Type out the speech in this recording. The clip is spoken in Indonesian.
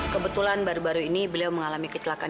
kebetulan baru baru ini beliau mengalami kecelakaan